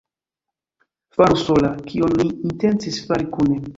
Faru sola, kion ni intencis fari kune!